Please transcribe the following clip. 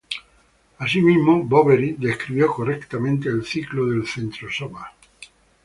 Asimismo, Boveri describió correctamente el ciclo del centrosoma.